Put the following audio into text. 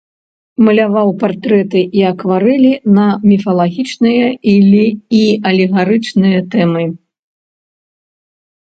Маляваў партрэты і акварэлі на міфалагічныя і алегарычныя тэмы.